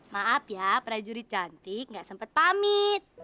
maaf ya prajurit cantik nggak sempat pamit